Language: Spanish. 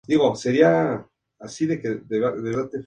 Llegó al rango de Brigadier-General.